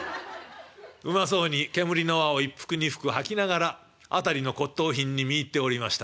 うまそうに煙の輪を一服二服吐きながら辺りの骨とう品にみいっておりましたが。